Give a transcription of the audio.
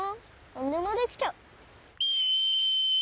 何でもできちゃう。